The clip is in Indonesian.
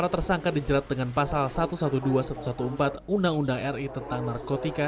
tersangka dijerat dengan pasal satu ratus dua belas satu ratus empat belas undang undang ri tentang narkotika